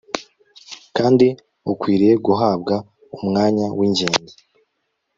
kandi ikwiriye guhabwa umwanya w'ingenzi